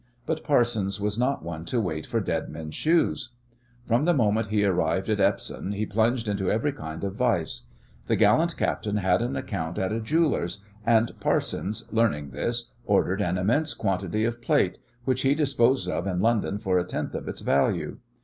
But Parsons was not one to wait for dead men's shoes. From the moment he arrived at Epsom he plunged into every kind of vice. The gallant captain had an account at a jeweller's, and Parsons, learning this, ordered an immense quantity of plate, which he disposed of in London for a tenth of its value.